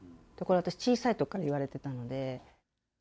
小さいときから私、言われてたので。